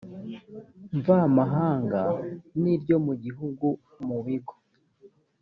mvamahanga n iryo mu gihugu mu bigo